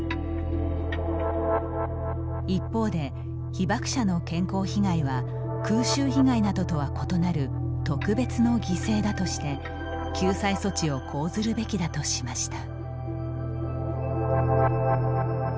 一方で、被爆者の健康被害は空襲被害などとは異なる特別の犠牲だとして救済措置を講ずるべきだとしました。